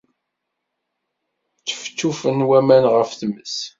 Ččefčufen waman ɣef tmes.